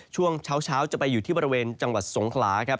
ช่วงเช้าจะไปอยู่ที่บริเวณจังหวัดสงขลาครับ